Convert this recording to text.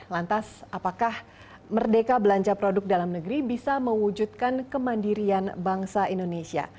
lantas apakah merdeka belanja produk dalam negeri bisa mewujudkan kemandirian bangsa indonesia